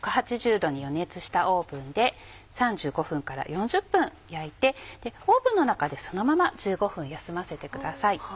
℃に予熱したオーブンで３５分から４０分焼いてオーブンの中でそのまま１５分休ませてください。